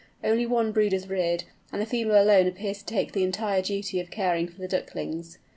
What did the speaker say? Only one brood is reared, and the female alone appears to take the entire duty of caring for the ducklings.